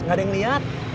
gak ada yang liat